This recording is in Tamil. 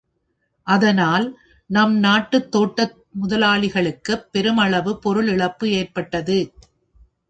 அதனால் நம் நாட்டுத் தோட்ட முதலாளிகளுக்குப் பெரும் அளவு பொருள் இழப்பு ஏற்படும்.